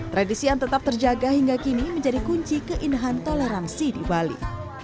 tradisi yang tetap terjaga hingga kini menjadi kunci keindahan toleransi di bali